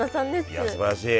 いやすばらしい！